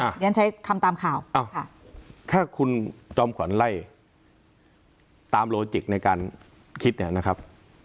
อย่างนั้นใช้คำตามข่าวอ้าวค่ะถ้าคุณจอมขวัญไล่ตามโลจิกในการคิดเนี่ยนะครับ